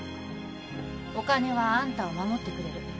お金はあんたを守ってくれる。